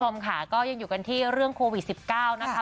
คุณผู้ชมค่ะก็ยังอยู่กันที่เรื่องโควิด๑๙นะคะ